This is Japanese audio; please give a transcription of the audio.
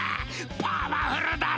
パワフルだろ？